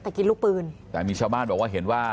แต่กินลูกปืนแต่มีชาวบ้านบอกว่าเห็นว่า